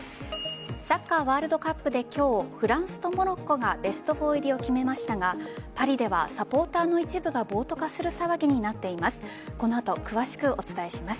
サッカー・ワールドカップで今日、フランスとモロッコがベスト４入りを決めましたがパリではサポーターの一部が暴徒化する騒ぎになっています。